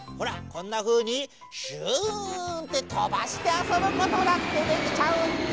こんなふうにヒューンってとばしてあそぶことだってできちゃうんだ。